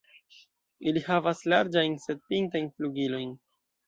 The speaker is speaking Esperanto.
Ili havas larĝajn sed pintajn flugilojn.